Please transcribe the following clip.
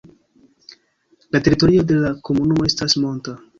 La teritorio de la komunumo estas monta.